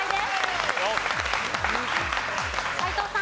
斎藤さん。